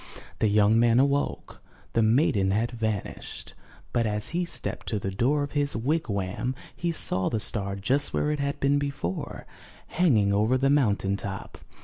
The young man awoke. The maiden had van ished, but as he stepped to the door of his wigwam, he saw the star just where it had been before, hanging over the mountain top.